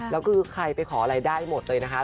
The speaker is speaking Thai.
แล้วคือใครไปขออะไรได้หมดเลยนะคะ